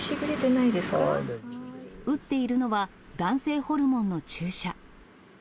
打っているのは、男性ホルモンの注射。